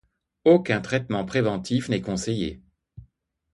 Aucun traitement préventif n'est conseillé.